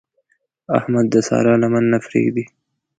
احمد د سارا لمن نه پرېږدي.